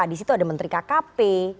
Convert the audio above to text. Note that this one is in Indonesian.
di situ ada menteri kkp